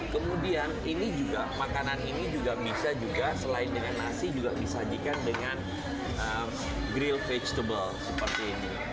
kemudian ini juga makanan ini juga bisa juga selain dengan nasi juga disajikan dengan grill vegetable seperti ini